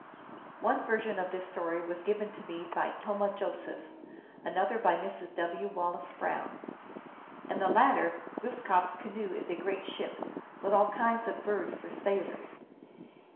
One version of this story was given to me by Tomah Josephs, another by Mrs. W. Wallace Brown. In the latter Glooskap s canoe is a great ship, with all kinds of birds for sailors.